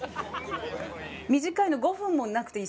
短いの５分もなくていい。